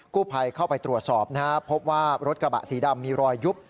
ผู้ภัยเข้าไปตรวจสอบนะครับพบว่ารถกระบะสีดำมีรอยยุบ